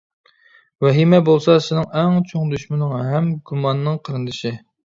ۋەھىمە بولسا سېنىڭ ئەڭ چوڭ دۈشمىنىڭ ھەم گۇماننىڭ قېرىندىشى.